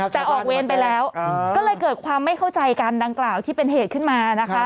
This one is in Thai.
แต่ออกเวรไปแล้วก็เลยเกิดความไม่เข้าใจกันดังกล่าวที่เป็นเหตุขึ้นมานะคะ